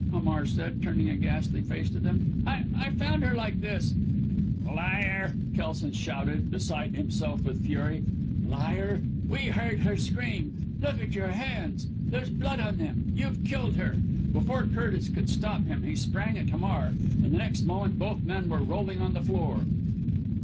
Hamar said, turning a ghastly face to them. "I I found her like this!" "Liar!" Kelson shouted beside himself with fury. "Liar! We heard her scream. Look at your hands there's blood on them! You've killed her!" Before Curtis could stop him he sprang at Hamar, and the next moment both men were rolling on the floor.